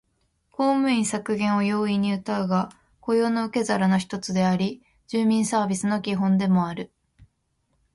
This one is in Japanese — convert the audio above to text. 公務員削減を安易にうたうが、雇用の受け皿の一つであり、住民サービスの基本でもある